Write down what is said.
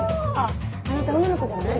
あなた女の子じゃない？